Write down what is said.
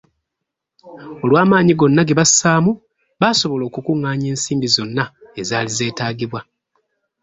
Olw'amaanyi gonna gebassaamu, baasobola okukungaanya ensimbi zonna ezaali zeetaagibwa.